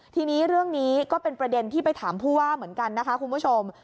ทีนี้เรื่องนี้ก็เป็นประเด็นที่ไปถามผู้ว่าเหมือนกันนะคะคุณผู้ชม